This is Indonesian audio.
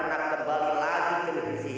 terus harus gimana nih